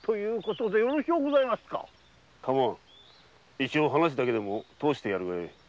一応話だけでもとおしてやるがよい。